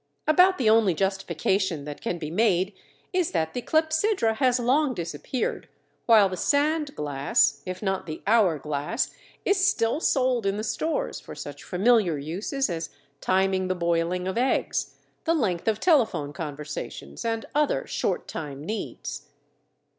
About the only justification that can be made is that the clepsydra has long disappeared, while the sand glass—if not the hour glass—is still sold in the stores for such familiar uses as timing the boiling of eggs, the length of telephone conversations, and other short time needs.